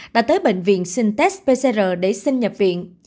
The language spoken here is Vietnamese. đã tới bệnh viện xin test pcr để sinh nhập viện